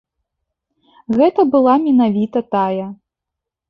Гэта была менавіта тая.